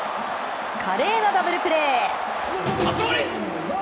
華麗なダブルプレー！